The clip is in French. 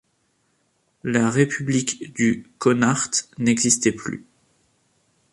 La République du Connacht n'existait plus.